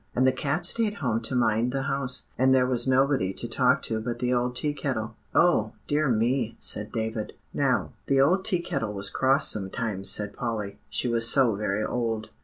And the cat stayed home to mind the house, and there was nobody to talk to but the old Tea Kettle." "Oh, dear me!" said David. "Now, the old Tea Kettle was cross sometimes," said Polly; "she was so very old."